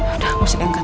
udah makasih diangkat